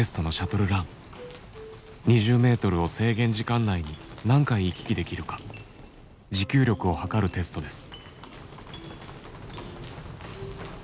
２０メートルを制限時間内に何回行き来できるか持久力を測るテストです。